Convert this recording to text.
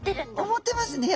思ってますね！